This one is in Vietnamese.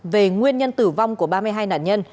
về nguyên nhân tử vong của ba mươi hai nạn nhân